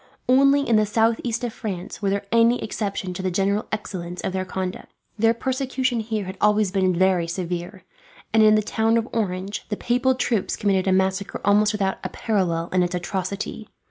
Only in the southeast of France was there any exception to the general excellence of their conduct. Their persecution here had always been very severe, and in the town of Orange the papal troops committed a massacre almost without a parallel in its atrocity.